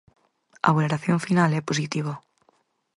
A valoración final é positiva.